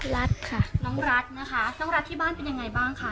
รัฐค่ะน้องรัฐนะคะน้องรัฐที่บ้านเป็นยังไงบ้างคะ